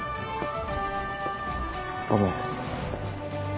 ごめん。